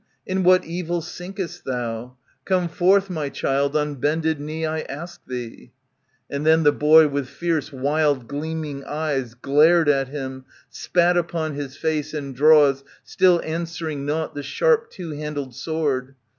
In what evil sinkest thou? Come forth, my child, on bended knee I ask thee." ^^ And then the boy, with fierce, wild gleaming eyes, Glared at him, spat upon his face, and draws. Still answering nought, the sharp two handled sword.